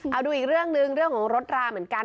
เอาดูอีกเรื่องหนึ่งเรื่องของรถราเหมือนกัน